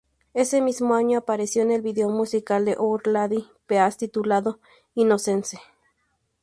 Ese mismo año apareció en el video musical de Our Lady Peace titulado "Innocence".